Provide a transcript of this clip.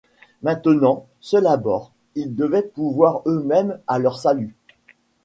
Maintenant, seuls à bord, ils devaient pourvoir eux-mêmes à leur salut.